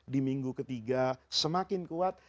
di minggu ketiga semakin kuat